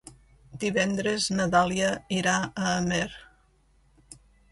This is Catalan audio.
Divendres na Dàlia irà a Amer.